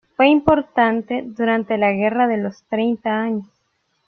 Fue importante durante la Guerra de los Treinta Años.